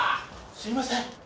すいません。